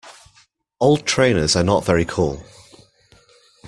Old trainers are not very cool